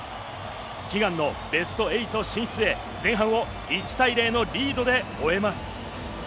悲願のベスト８進出へ、前半を１対０のリードで終えます。